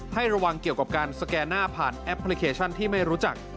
ให้ระวังเกี่ยวกับการสแกนหน้าผ่านแอปพลิเคชันที่ไม่รู้จัก